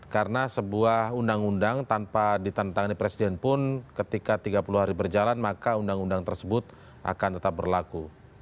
karena sebuah undang undang tanpa ditandatangani presiden pun ketika tiga puluh hari berjalan maka undang undang tersebut akan tetap berlaku